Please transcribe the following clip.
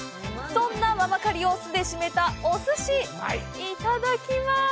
そんな「ままかり」を酢で締めたお寿司いただきます！